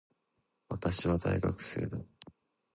私は、大学生だ。